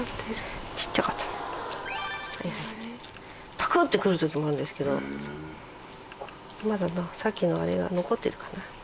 パクッてくるときもあるんですけどまださっきのあれが残ってるかな？